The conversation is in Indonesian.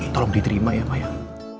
tolong diterima ya pak